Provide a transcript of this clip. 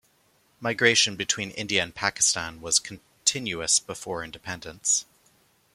Migration between India and Pakistan was continuous before independence.